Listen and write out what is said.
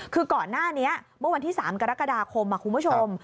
คือก่อนหน้านี้เมื่อวันที่๓กรกฎาคมคุณผู้ชม